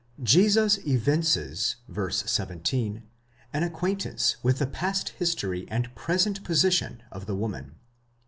Jesus evinces (v. 17) an acquaintance with the past history and present position of the woman.